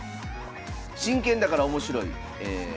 「真剣だから面白い！